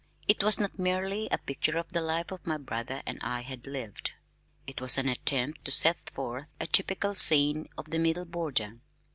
It was not merely a picture of the life my brother and I had lived, it was an attempt to set forth a typical scene of the Middle Border.